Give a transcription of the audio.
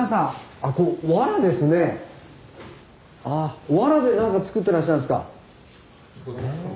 あワラで何か作ってらっしゃるんですか？